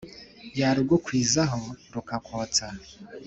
yarugukwiza ho rukakotsa